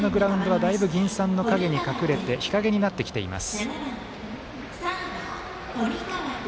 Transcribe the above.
内野のグラウンドはだいぶ銀傘の陰に隠れて日陰になってきています。